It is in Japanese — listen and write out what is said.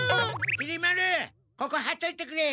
きり丸ここはっといてくれ！